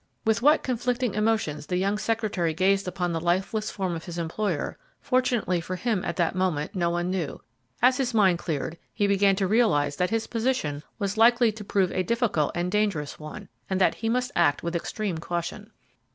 With what conflicting emotions the young secretary gazed upon the lifeless form of his employer, fortunately for him at that moment, no one knew; as his mind cleared, he began to realize that his position was likely to prove a difficult and dangerous one, and that he must act with extreme caution.